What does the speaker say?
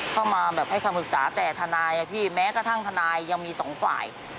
เข้ามาแบบให้คำปรึกษาแต่ทนายอะพี่แม้กระทั่งทนายยังมีสองฝ่าย